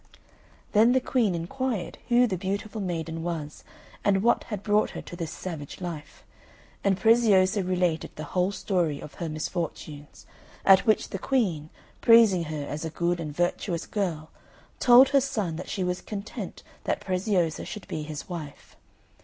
Then the Queen inquired who the beautiful maiden was, and what had brought her to this savage life; and Preziosa related the whole story of her misfortunes, at which the Queen, praising her as a good and virtuous girl, told her son that she was content that Preziosa should be his wife.